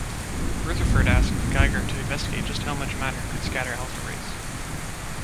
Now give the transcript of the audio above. Rutherford asked Geiger to investigate just how much matter could scatter alpha rays.